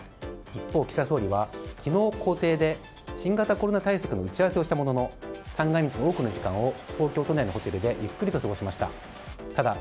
一方、岸田総理は昨日公邸で新型コロナ対策の打ち合わせをしたものの三が日の多くの時間を東京都内のホテルでゆっくりと過ごしました。